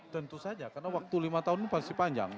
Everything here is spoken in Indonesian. tentu saja karena waktu lima tahun ini masih panjang